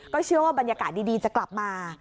เชื่อว่าบรรยากาศดีจะกลับมา